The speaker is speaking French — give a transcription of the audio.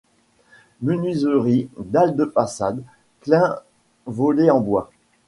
Menuiseries, dalles de façades, clins, volets en bois.